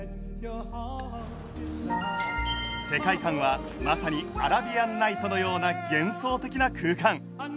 世界観はまさに『アラビアンナイト』のような幻想的な空間。